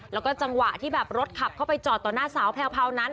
แล้วก็จังหวะที่แบบรถขับเข้าไปจอดต่อหน้าสาวแพลวนั้น